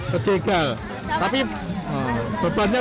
pernah waktu itu